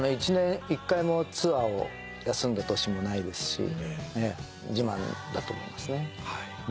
１年１回もツアーを休んだ年もないですし自慢だと思いますね。